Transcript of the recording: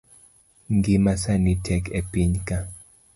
Ngima sani tek e piny ka